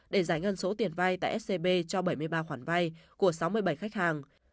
để giải ngân số tiền vay tại scb cho bảy mươi ba khoản vay của sáu mươi bảy khách hàng